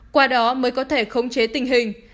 qua đó mới có thể khống chế tình hình